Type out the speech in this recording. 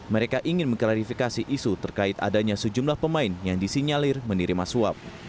mereka ingin mengklarifikasi isu terkait adanya sejumlah pemain yang disinyalir menerima suap